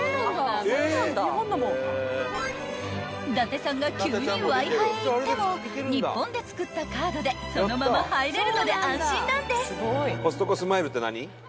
［伊達さんが急にワイハへ行っても日本で作ったカードでそのまま入れるので安心なんです］